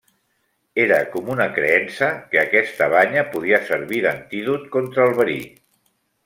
Era comuna creença que aquesta banya podia servir d'antídot contra el verí.